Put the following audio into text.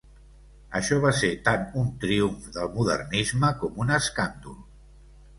Això va ser tant un triomf del modernisme com un escàndol.